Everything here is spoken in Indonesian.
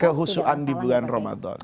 kehusukan di bulan ramadan